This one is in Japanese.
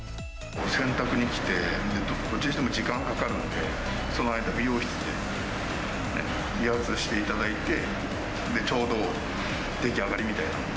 洗濯に来て、どっちにしても時間かかるんで、その間に美容室で理髪していただいて、ちょうど出来上がりみたいな。